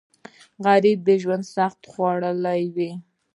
غریب د ژوند سختۍ خوړلي وي